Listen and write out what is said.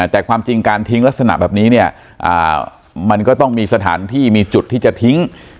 แต่ความจริงการทิ้งลักษณะแบบนี้เนี่ยมันก็ต้องมีสถานที่มีจุดที่จะทิ้ง